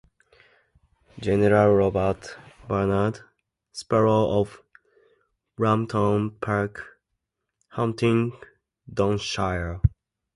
General Robert Bernard Sparrow of Brampton Park, Huntingdonshire.